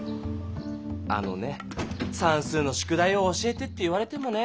あのねさんすうの宿題を教えてって言われてもね。